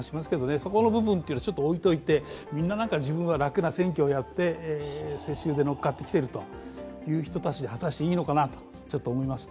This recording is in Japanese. そこの部分っていうのはちょっと置いといてみんな自分が楽な選挙をやって、世襲で乗っかってきているという人たちで果たしていいのかなと、ちょっと思いますね。